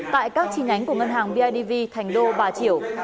tại các chi nhánh của ngân hàng bidv thành đô bà chiểu